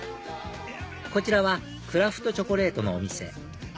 こちらはクラフトチョコレートのお店